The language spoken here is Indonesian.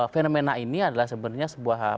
fenomena ini adalah sebenarnya sebuah